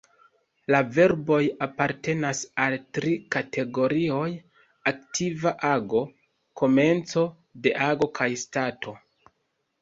La verboj apartenas al tri kategorioj: aktiva ago, komenco de ago kaj stato.